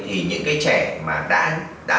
thì những cái trẻ mà đã